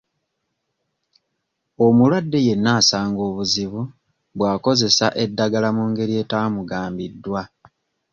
Omulwadde yenna asanga obuzibu bw'akozesezza eddagala mu ngeri etaamugambibwa.